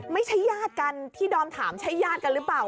ญาติกันที่ดอมถามใช่ญาติกันหรือเปล่า